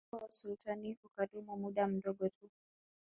Uhuru wa usultani ukadumu muda mdogo tu